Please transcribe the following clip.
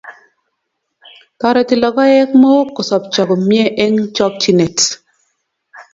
Toreti logoek Mook kosobcho komie eng chokchinet